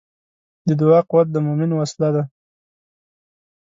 د دعا قوت د مؤمن وسله ده.